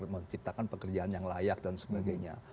menciptakan pekerjaan yang layak dan sebagainya